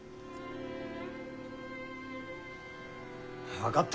分かった。